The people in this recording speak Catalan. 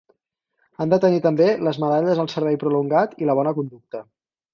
Han de tenir també les medalles al servei prolongat i la bona conducta.